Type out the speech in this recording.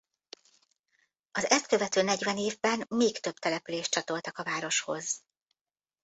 Az ezt követő negyven évben még több települést csatoltak a városhoz.